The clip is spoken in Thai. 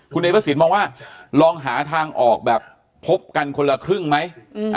คุณเอพระสินมองว่าลองหาทางออกแบบพบกันคนละครึ่งไหม